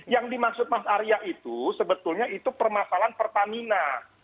yang dimaksud mas arya itu sebetulnya itu permasalahan pertamina